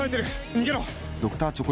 逃げろ！